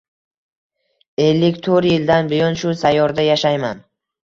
Ellik to‘rt yildan buyon shu sayyorada yashayman.